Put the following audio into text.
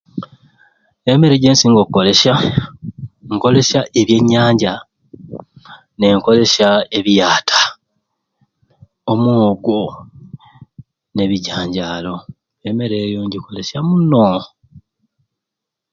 Emmere gyensinga okolosya nkolesya ebyenyanya nenkolesya ebiyaata omwogo n'ebijjanjalo emmere eyo njikolesya muno